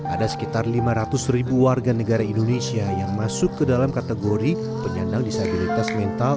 ada sekitar lima ratus ribu warga negara indonesia yang masuk ke dalam kategori penyandang disabilitas mental